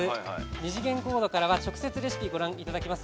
２次元コードからは直接レシピご覧いただけます。